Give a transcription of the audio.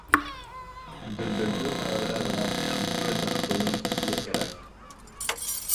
Дөлдөлдө ҡарарға ғына ике дастуйын ир кәрәк.